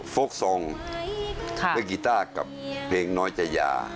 โฟล์กซองค์และกีต้าร์กับเพลงน้อยใจยา